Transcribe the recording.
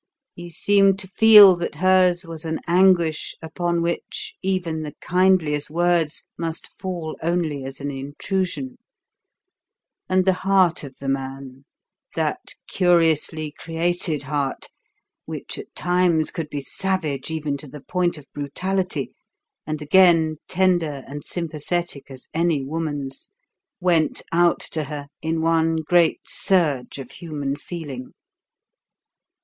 He seemed to feel that hers was an anguish upon which even the kindliest words must fall only as an intrusion, and the heart of the man that curiously created heart, which at times could be savage even to the point of brutality, and again tender and sympathetic as any woman's went out to her in one great surge of human feeling.